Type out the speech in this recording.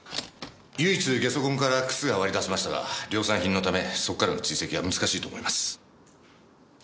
唯一下足痕から靴が割り出せましたが量産品のためそこからの追跡は難しいと思います。